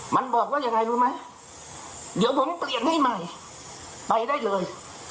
มันบอกว่ายังไงรู้ไหมเดี๋ยวผมเปลี่ยนให้ใหม่ไปได้เลย